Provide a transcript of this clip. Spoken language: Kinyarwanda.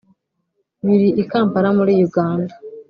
biri i Kampala muri Uganda